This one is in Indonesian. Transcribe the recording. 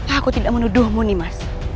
aku tidak menuduhmu nih mas